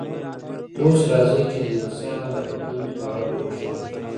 اوس راځئ چې د انسان د بدن په اړه وغږیږو